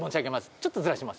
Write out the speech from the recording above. ちょっとずらします。